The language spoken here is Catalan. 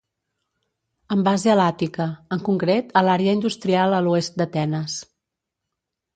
Amb base a l'Àtica, en concret a l'àrea industrial a l'oest d'Atenes.